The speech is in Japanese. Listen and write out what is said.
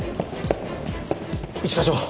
一課長！